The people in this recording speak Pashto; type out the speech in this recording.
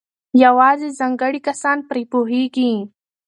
یوازې ځانګړي کسان پرې پوهېږي.